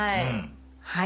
はい。